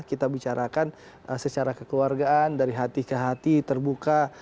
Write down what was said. kita bicarakan secara kekeluargaan dari hati ke hati terbuka